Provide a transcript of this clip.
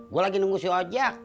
gue lagi nunggu si objek